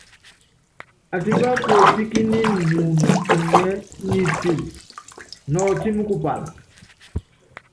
Atipí kuepíkíníni muundú unyiɛ́ nimfíli nɔɔtímí kupála.